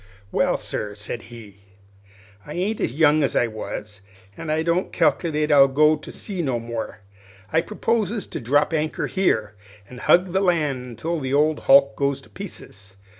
"Well, sir," said he, "I ain't as young as I was, an' I don't cal'ulate to go to sea no more. I proposes to drop anchor here, an' hug the land until the old hulk goes to pieces.